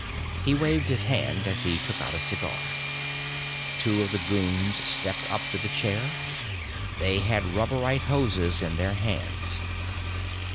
He waved his hand as he took out a cigar. Two of the goons stepped up to the chair. They had rubberite hoses in their hands.